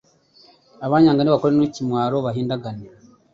Abanyanga nibakorwe n’ikimwaro bahindagane